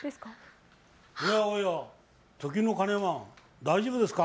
おやおや、時の鐘マン、大丈夫ですか。